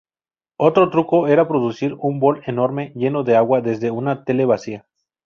Otro truco era producir un bol enorme, lleno de agua, desde una tela vacía.